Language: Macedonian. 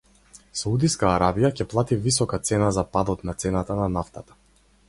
Саудиска Арабија ќе плати висока цена за падот на цената на нафтата